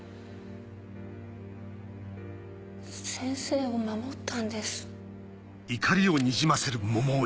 先生を守ったんです。